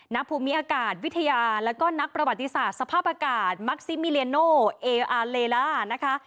ณภูมิอากาศวิทยาแล้วก็นักประวัติศาสตร์สภาพอากาศมักซิมิเลียโนเออาเลล่านะคะ